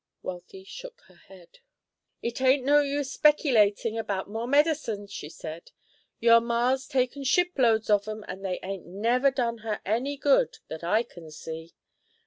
Wealthy shook her head. "It ain't no use specylating about more medicines," she said, "your ma's taken shiploads of 'em, and they ain't never done her any good that I can see.